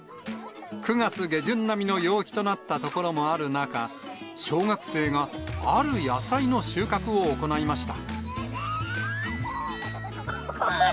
９月下旬並みの陽気となった所もある中、小学生がある野菜の収穫を行いました。